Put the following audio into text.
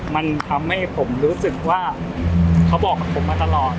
มันทำให้ผมรู้สึกว่าเขาบอกกับผมมาตลอด